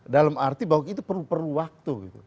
dalam arti bahwa itu perlu waktu